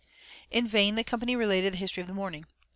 In vain the company related the history of the morning.